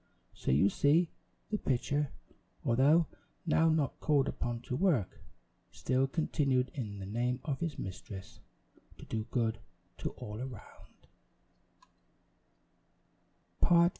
So you see the pitcher, although now not called upon to work, still continued, in the name of his mistress, to do good to all around.